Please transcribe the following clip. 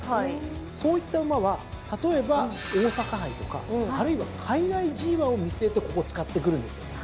そういった馬は例えば大阪杯とかあるいは海外ＧⅠを見据えてここを使ってくるんですよ。